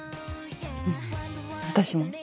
うん私も。